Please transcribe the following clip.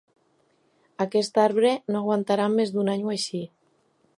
Aquest arbre no aguantarà més d'un any o així.